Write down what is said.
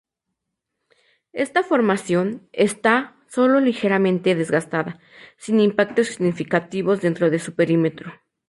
Esta formación está solo ligeramente desgastada, sin impactos significativos dentro de su perímetro.